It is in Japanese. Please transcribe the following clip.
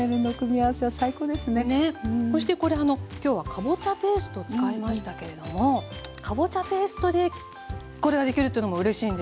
そしてこれ今日はかぼちゃペーストを使いましたけれどもかぼちゃペーストでこれができるというのもうれしいですね